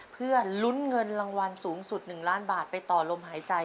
เพื่อลุ้นเงินรางวัลสูงสุด๑ล้านบาทไปต่อลมหายใจ